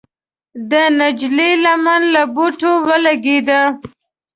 د نجلۍ لمن له بوټي ولګېده.